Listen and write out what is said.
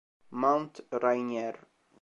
Mount Rainier